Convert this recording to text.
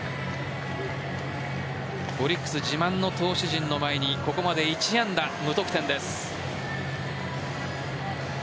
オリックス、自慢の投手陣の前にここまで１安打、無得点です。